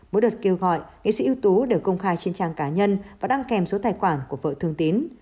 mỗi đợt kêu gọi nghệ sĩ ưu tú đều công khai trên trang cá nhân và đăng kèm số tài khoản của vợ thường tín